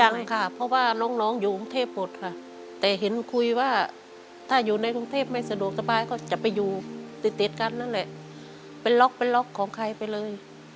ยังค่ะเพราะว่าน้องอยู่กรุงเทพหมดค่ะแต่เห็นคุยว่าถ้าอยู่ในกรุงเทพไม่สะดวกสบายก็จะไปอยู่ติดติดกันนั่นแหละเป็นล็อกเป็นล็อกของใครไปเลย